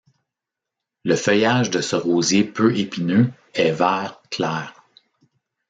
Le feuillage de ce rosier peu épineux est vert clair.